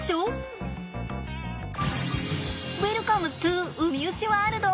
ウェルカムトゥウミウシワールド！